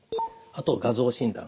あと画像診断。